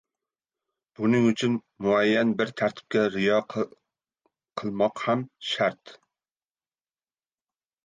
buning uchun muayyan bir tartibga rioya qilmoq ham shart.